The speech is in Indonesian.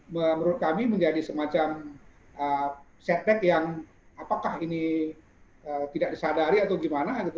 menurut kami menjadi semacam setback yang apakah ini tidak disadari atau gimana gitu